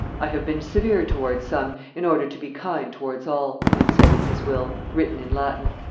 I have been severe towards some in order to be kind towards all," he had said in his will, written in Latin.